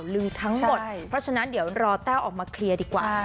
รอแต้วออกมาเคลียร์ดีกว่า